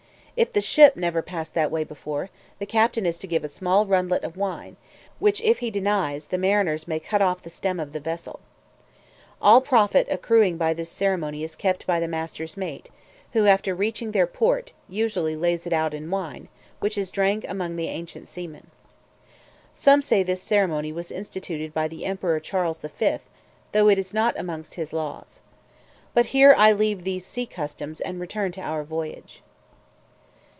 If the ship never passed that way before, the captain is to give a small rundlet of wine, which, if he denies, the mariners may cut off the stem of the vessel. All the profit accruing by this ceremony is kept by the master's mate, who, after reaching their port, usually lays it out in wine, which is drank amongst the ancient seamen. Some say this ceremony was instituted by the Emperor Charles V. though it is not amongst his laws. But here I leave these sea customs, and return to our voyage.